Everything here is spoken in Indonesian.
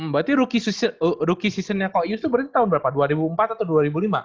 berarti season rookie koyus itu berarti tahun berapa dua ribu empat atau dua ribu lima